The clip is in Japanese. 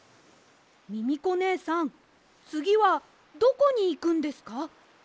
ミミコねえさんつぎはどこにいくんですか？